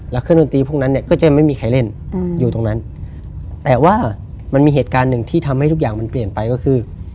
แล้วเครื่องดนตรีพวกนั้นเนี่ยก็จะไม่มีใครเล่นอยู่ตรงนั้นแต่ว่ามันมีเหตุการณ์หนึ่งที่ทำให้ทุกอย่างมันเปลี่ยนไปก็คือ